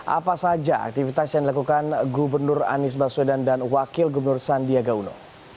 apa saja aktivitas yang dilakukan gubernur anies baswedan dan wakil gubernur sandiaga uno